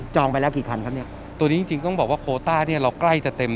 ไปแล้วกี่คันครับเนี่ยตัวนี้จริงจริงต้องบอกว่าโคต้าเนี่ยเราใกล้จะเต็ม